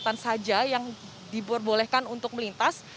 hanya tenaga kesehatan saja yang diperbolehkan untuk melintas